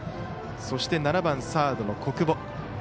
そして７番サードの小久保。